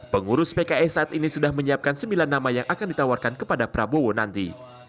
pengurus pks saat ini sudah menyiapkan sembilan nama yang akan ditawarkan kepada prabowo nanti